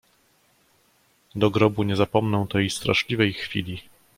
"Do grobu nie zapomnę tej straszliwej chwili."